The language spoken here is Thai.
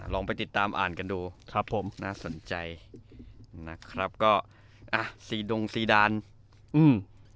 ลองไปติดตามอ่านกันดูครับผมน่าสนใจนะครับก็อ่ะซีดงซีดานอืม